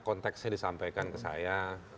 konteksnya disampaikan ke saya